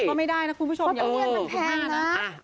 ปรากฏก็ไม่ได้นะคุณผู้ชมอย่าเมื่อกันมันแพงนะ